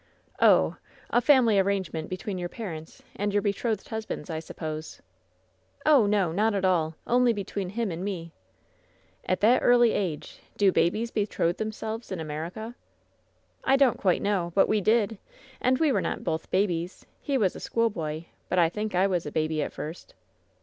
"Oh! a family arrangement between your parents and your betrothed husband's, I suppose ?" "Oh, no; not at all! Only between him and me." "At that early age I Do babies betroth themselves in America?" "I don't quite know; but we did! And we were not WHEN SHADOWS DIE Tt both babies. He was a schoolboy, but I think I was a baby at first."